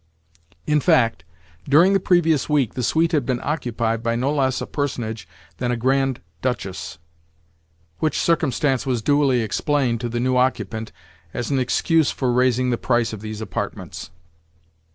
In fact, during the previous week the suite had been occupied by no less a personage than a Grand Duchess: which circumstance was duly explained to the new occupant, as an excuse for raising the price of these apartments.